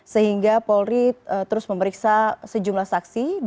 sehingga polri terus memeriksa sejumlah saksi